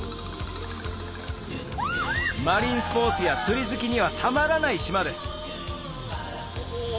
マリンスポーツや釣り好きにはたまらない島です